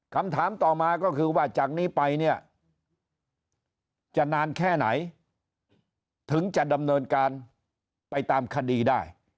คำถามต่อมาก็คือว่าจากนี้ไปเนี่ยจะนานแค่ไหนถึงจะดำเนินการไปตามคดีได้